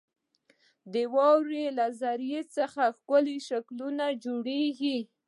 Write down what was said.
• د واورې له ذرې څخه ښکلي شکلونه جوړېږي.